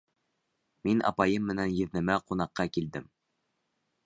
Мин апайым менән еҙнәмә ҡунаҡҡа килдем.